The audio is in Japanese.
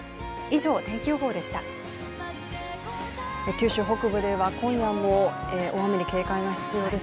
九州北部では今夜も大雨に警戒が必要です。